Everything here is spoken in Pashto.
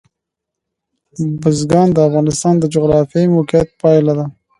بزګان د افغانستان د جغرافیایي موقیعت پایله ده.